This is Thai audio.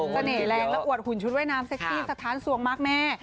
แรงและอวดหุ่นชุดว่ายน้ำเซ็กซี่สะท้านสวงมากแม่